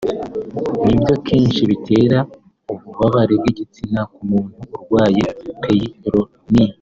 nibyo kenshi bitera ububabare bw’igitsina ku muntu urwaye ‘peyronie’